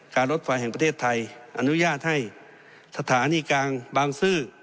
รถไฟแห่งประเทศไทยอนุญาตให้สถานีกลางบางซื่อ